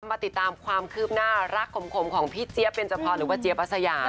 มาติดตามความคืบหน้ารักขมของพี่เจี๊ยเบนจพรหรือว่าเจี๊ยบอสยา